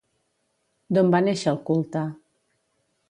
D'on va néixer el culte?